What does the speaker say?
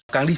cáng đi sâu